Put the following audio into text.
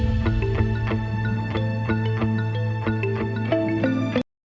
nino sudah pernah berubah